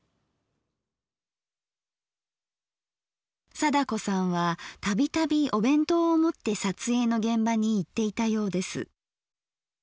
貞子さんは度々お弁当を持って撮影の現場に行っていたようです。